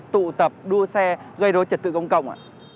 tụ tập đua xe gây đối trật tự công cộng